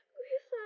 terima kasih romeo